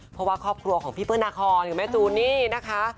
เพราะว่าครอบครัวของพี่เปิ้ลนาคอนกับแม่จูนนี่นะคะ